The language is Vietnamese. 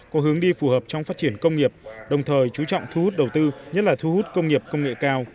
có hướng đi phù hợp trong phát triển công nghiệp đồng thời chú trọng thu hút đầu tư nhất là thu hút công nghiệp công nghệ cao